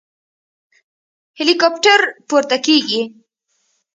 هليكاپټر پورته کېږي.